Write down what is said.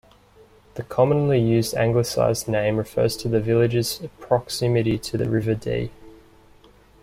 The commonly used anglicised name refers to the village's proximity to the River Dee.